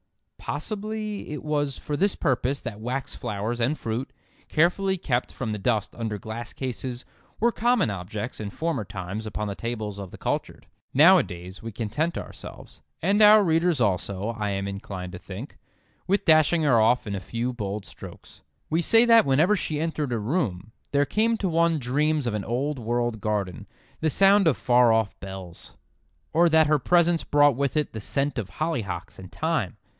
Possibly it was for this purpose that wax flowers and fruit, carefully kept from the dust under glass cases, were common objects in former times upon the tables of the cultured. Nowadays we content ourselves—and our readers also, I am inclined to think—with dashing her off in a few bold strokes. We say that whenever she entered a room there came to one dreams of an old world garden, the sound of far off bells. Or that her presence brought with it the scent of hollyhocks and thyme.